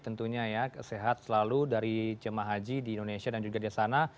tentunya ya sehat selalu dari jemaah haji di indonesia dan juga di sana